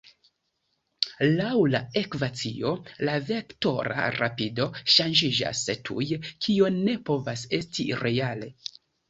Laŭ la ekvacio, la vektora rapido ŝanĝiĝas tuj, kio ne povas esti reale.